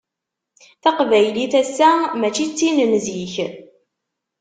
Taqbaylit ass-a mačči d tin n zik.